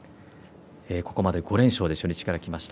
ここまで５連勝で初日からきました。